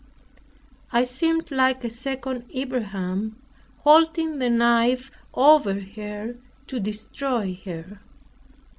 I seemed like a second Abraham, holding the knife over her to destroy her.